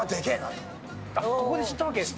ここで知ったわけですね。